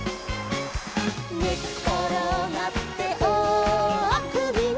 「ねっころがっておおあくびの」